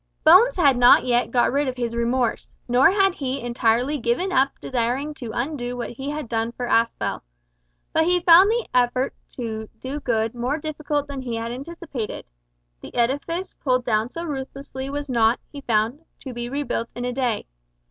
Bones had not yet got rid of his remorse, nor had he entirely given up desiring to undo what he had done for Aspel. But he found the effort to do good more difficult than he had anticipated. The edifice pulled down so ruthlessly was not, he found, to be rebuilt in a day.